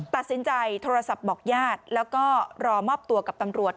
ตัดสินใจโทรศัพท์บอกญาติแล้วก็รอมอบตัวกับตำรวจ